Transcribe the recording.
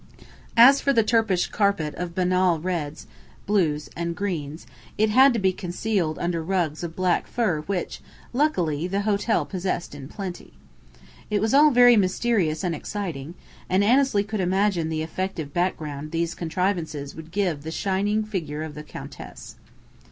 As for the Turkish carpet of banal reds, blues, and greens, it had to be concealed under rugs of black fur which, luckily, the hotel possessed in plenty. It was all very mysterious and exciting, and Annesley could imagine the effective background these contrivances would give the shining figure of the Countess.